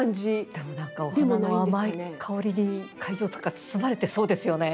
でも何かお花の甘い香りに会場とか包まれてそうですよね。